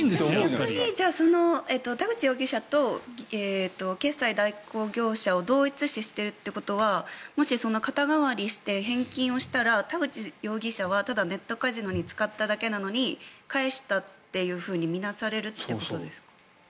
逆に田口容疑者と決済代行業者を同一視しているということはもし、肩代わりして返金をしたら田口容疑者はただネットカジノに使っただけなのに返したって見なされるってことですか？